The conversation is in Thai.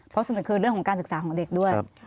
เพราะส่วนหนึ่งคือเรื่องของการศึกษาของเด็กด้วย